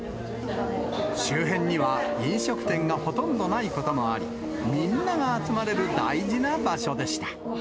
周辺には飲食店がほとんどないこともあり、みんなが集まれる大事な場所でした。